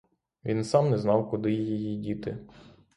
Він сам не знав, куди її діти.